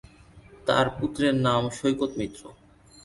তার পুত্রের নাম সৈকত মিত্র।